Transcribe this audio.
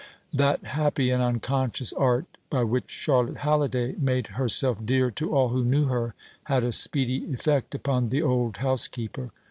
That happy and unconscious art by which Charlotte Halliday made herself dear to all who knew her had a speedy effect upon the old housekeeper.